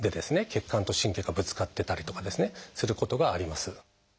血管と神経がぶつかってたりとかすることがあります。